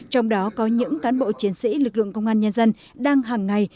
trong đó có những cán bộ chiến sĩ lực lượng công an nhân dân đang hàng ngày